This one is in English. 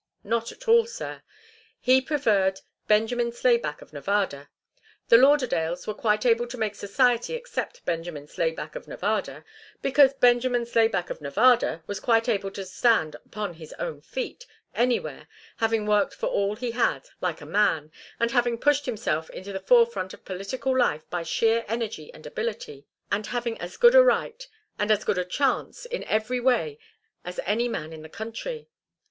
Not at all, sir. He preferred Benjamin Slayback of Nevada. The Lauderdales were quite able to make society accept Benjamin Slayback of Nevada, because Benjamin Slayback of Nevada was quite able to stand upon his own feet anywhere, having worked for all he had, like a man, and having pushed himself into the forefront of political life by sheer energy and ability, and having as good a right and as good a chance in every way as any man in the country.